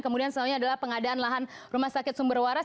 kemudian selanjutnya adalah pengadaan lahan rumah sakit sumber waras